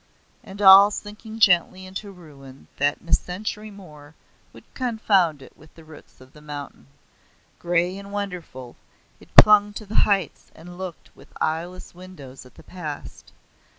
And all sinking gently into ruin that in a century more would confound it with the roots of the mountains. Grey and wonderful, it clung to the heights and looked with eyeless windows at the past.